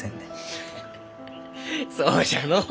フフそうじゃのう！